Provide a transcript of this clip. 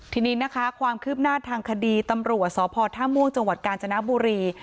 ทีนี้นะคะความคืบหน้าทางคดีตำรวจสพท่าม่วงจังหวัดกาญจนบุรี